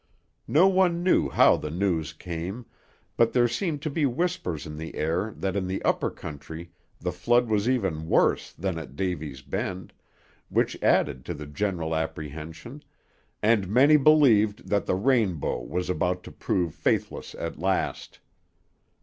No one knew how the news came, but there seemed to be whispers in the air that in the upper country the flood was even worse than at Davy's Bend, which added to the general apprehension, and many believed that the rainbow was about to prove faithless at last.